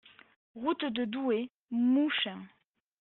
Route de Douai, Mouchin